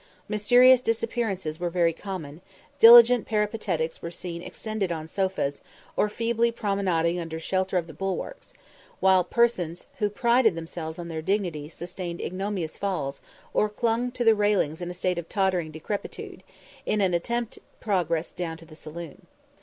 Mysterious disappearances were very common; diligent peripatetics were seen extended on sofas, or feebly promenading under shelter of the bulwarks; while persons who prided themselves on their dignity sustained ignominious falls, or clung to railings in a state of tottering decrepitude, in an attempted progress down the saloon.